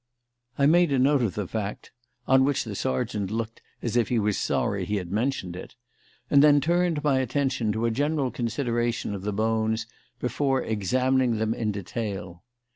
I made a note of the fact (on which the sergeant looked as if he was sorry he had mentioned it), and then turned my attention to a general consideration of the bones before examining them in detail.